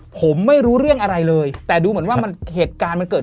ผมไม่รู้เรื่องอะไรเลยแต่ดูเหมือนว่ามันเหตุการณ์มันเกิด